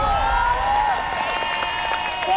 ถูกกว่า